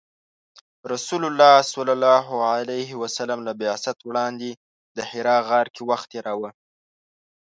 رسول الله ﷺ له بعثت وړاندې د حرا غار کې وخت تیراوه .